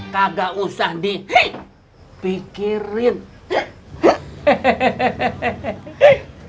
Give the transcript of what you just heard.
kagak usah dipikir pikir